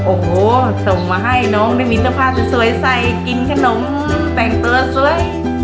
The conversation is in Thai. โอ้โหส่งมาให้น้องได้มีสภาพสวยใส่กินขนมแต่งตัวสวย